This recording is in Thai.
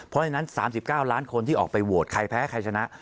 เพราะฉะนั้น๓๙ล้านคนที่ออกไปโหวตใครแพ้ใครชนะ